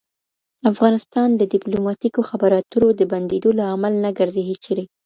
افغانستان د ډیپلوماتیکو خبرو اترو د بندېدو لامل نه ګرځي هېچيرې.